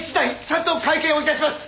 ちゃんと会見を致します。